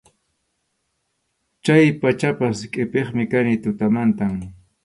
Chay pachapas qʼipiqmi kani tutamantam.